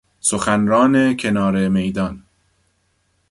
سخنران کنار میدان